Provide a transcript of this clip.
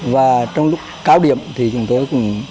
và trong lúc cao điểm thì chúng tôi